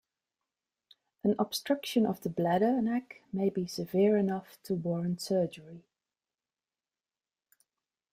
An obstruction of the bladder neck may be severe enough to warrant surgery.